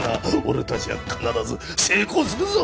俺たちは必ず成功するぞ！